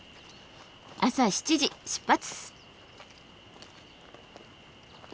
朝７時出発。